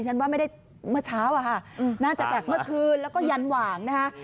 ฉันว่าไม่ได้เมื่อเช้าอะค่ะน่าจะจากเมื่อคืนแล้วก็ยันหว่างนะคะ